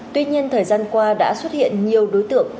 tuy nhiên thời gian qua đã xuất hiện nhiều đối tượng